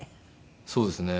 そうですね。